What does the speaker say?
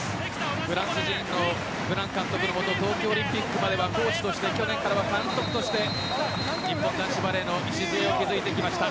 フランス人のブラン監督の下東京オリンピックまではコーチとして去年からは監督として日本男子バレーの礎を築いてきました。